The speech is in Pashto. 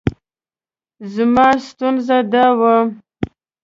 زما ستونزه دا وه.